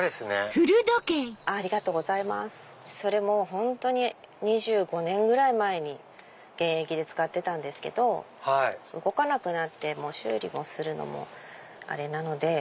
本当に２５年ぐらい前に現役で使ってたんですけど動かなくなって修理をするのもあれなので。